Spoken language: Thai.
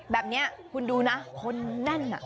แบบนี้คุณดูนะคนแน่น